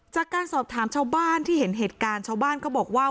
จากการสอบถามชาวบ้านที่เห็นเหตุการณ์ชาวบ้านก็บอกว่า